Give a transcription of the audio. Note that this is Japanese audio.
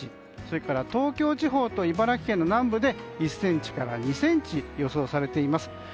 東京地方と茨城県の南部で１ｃｍから２ｃｍ予想されています。